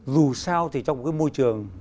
dù sao thì trong một cái môi trường